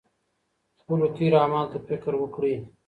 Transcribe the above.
خپلو تېرو اعمالو ته فکر وکړئ.